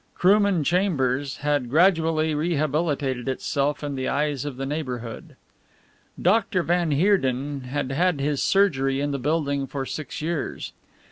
Krooman Chambers had gradually rehabilitated itself in the eyes of the neighbourhood. Dr. van Heerden had had his surgery in the building for six years.